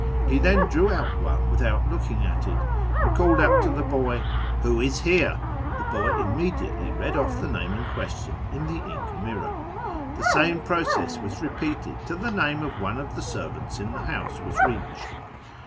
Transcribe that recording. He then drew out one without looking at it, and called out to the boy, ' Who is here ?' The i)oy immediately read off the name in question in the ink j mirror. The same process was repeated till the name of one ' »f the servants in the house was reached.